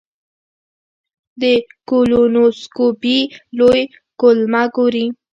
د کولونوسکوپي لوی کولمه ګوري.